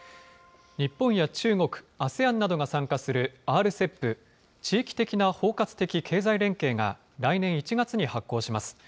日本や中国、ＡＳＥＡＮなどが参加するＲＣＥＰ・地域的な包括的経済連携が、来年１月に発効します。